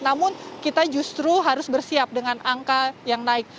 namun kita justru harus bersiap dengan angka yang naik